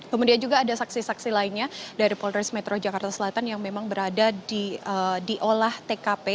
kemudian juga ada saksi saksi lainnya dari polres metro jakarta selatan yang memang berada di olah tkp